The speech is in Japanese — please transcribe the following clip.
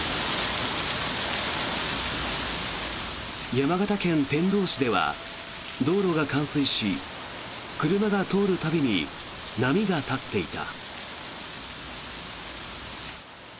山形県天童市では道路が冠水し車が通る度に波が立っていた。